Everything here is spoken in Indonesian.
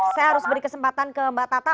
saya harus beri kesempatan ke mbak tata